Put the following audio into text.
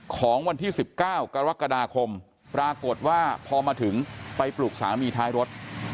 ของวันที่๑๙กรกฎาคมปรากฏว่าพอมาถึงไปปลุกสามีท้ายรถ